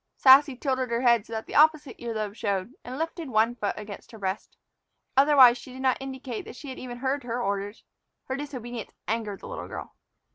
Sassy tilted her head so that the opposite ear lobe showed, and lifted one foot against her breast. Otherwise she did not indicate that she had even heard her orders. Her disobedience angered the little girl.